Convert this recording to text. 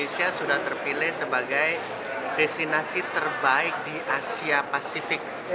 sebagai destinasi terbaik di asia pasifik